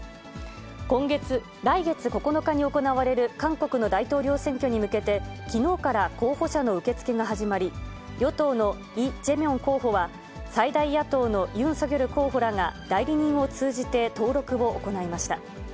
来月９日に行われる韓国の大統領選挙に向けて、きのうから候補者の受け付けが始まり、与党のイ・ジェミョン候補は、最大野党のユン・ソギョル候補らが代理人を通じて登録を行いました。